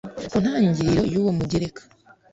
ku ntangiriro y uwo mugereka